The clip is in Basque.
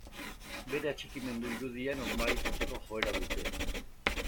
Bere atxikimendu-irudia normalizatzeko joera dute.